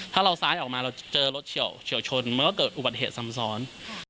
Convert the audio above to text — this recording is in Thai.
ถ้าเราซ้ายออกมาเราเจอรถเฉียวชนมันก็เกิดอุบัติเหตุซ้ำซ้อน